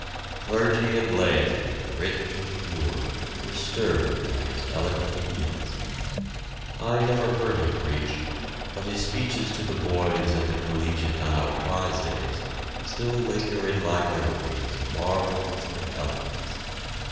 Clergy and laity, rich and poor, were stirred by his eloquent appeals. I never heard him preach, but his speeches to the boys at the Collegiate on our prize days still linger in my memory as marvels of eloquence.